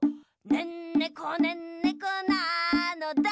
「ねんねこ」「ねんねこなのだ」